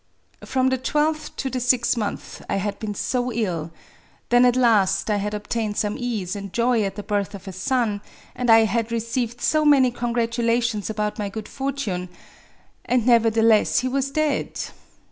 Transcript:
From the twelfth to the sixth month I had been so ill !— then at last I had obtained some ease, and joy at the birth of a son ; and I had received so many congratulations about my good fortune ;— and, nevertheless, he was dead